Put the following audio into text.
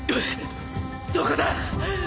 どこだ！？